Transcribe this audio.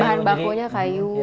bahan bakunya kayu